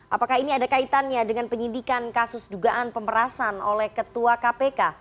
apakah ini ada kaitannya dengan penyidikan kasus dugaan pemerasan oleh ketua kpk